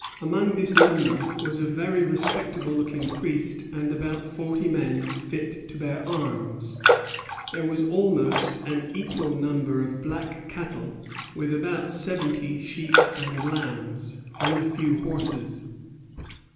Among this number was a very respectable looking priest, and about forty men fit to bear arms. There was almost an equal number of black cattle, with about seventy sheep and lambs, and a few horses.